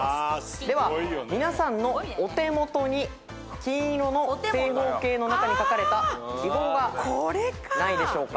では皆さんのお手元に金色の正方形の中にかかれた記号がないでしょうか？